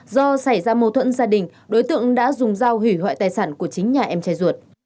do xảy ra mâu thuẫn gia đình đối tượng đã dùng dao hủy hoại tài sản của chính nhà em trai ruột